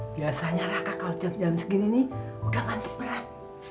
biasanya raka kalau jam segini nih udah ngantuk berat